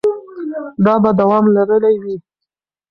دا به دوام لرلی وي.